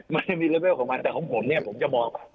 มันไม่มีระเบิดของมันแต่ของผมเนี่ยผมจะบอก